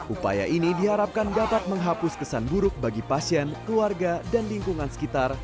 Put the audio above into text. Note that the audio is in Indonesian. upaya ini diharapkan dapat menghapus kesan buruk bagi pasien keluarga dan lingkungan sekitar